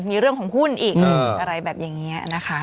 มีเรื่องของหุ้นอีกอะไรแบบอย่างนี้นะคะ